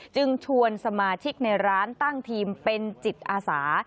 จึงชวนสมาชิกในร้านตั้งทีมเป็นจิตอาสา